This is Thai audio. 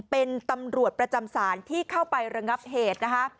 เป็นตำรวจประจำศาลที่เข้าไประงับเหตุนะคะ